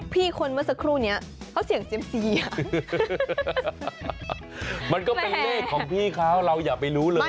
พี่คนนี้เมื่อสักครู่เขาเสียง๐๕๔มันก็เป็นเลขของพี่ไคะเราอย่าไปรู้เลย